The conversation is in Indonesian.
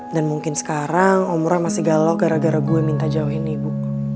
dan mungkin sekarang om roy masih galau gara gara gue minta jauhin ibu